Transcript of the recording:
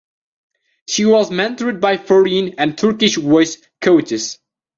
She was mentored by foreign and Turkish voice coaches.